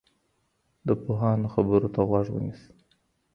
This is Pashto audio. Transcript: د پوهانو خبرو ته غوږ ونیسئ.